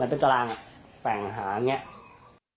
มันเป็นตารางแฝงอาหารอย่างนี้